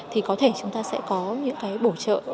thì có thể chúng ta sẽ có những cái bổ trợ